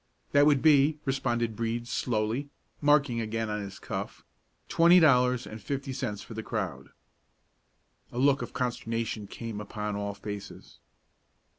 "That would be," responded Brede, slowly, marking again on his cuff, "twenty dollars and fifty cents for the crowd." A look of consternation came upon all faces.